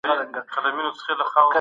ډیپلوماټیک پیغامونه باید روښانه وي.